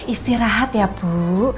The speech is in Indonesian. istirahat ya bu